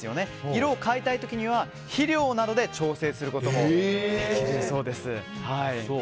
色を変えたい時には肥料などで調整することもできるそうです。